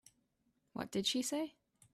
What did she say?